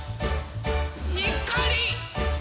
「にっこり」